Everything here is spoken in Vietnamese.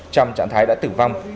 trong trạng thái đã tử vong